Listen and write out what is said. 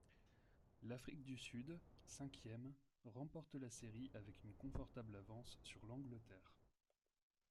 L'Afrique du Sud, cinquième, remporte la série avec une confortable avance sur l'Angleterre.